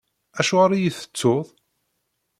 Acuɣeṛ i iyi-tettuḍ?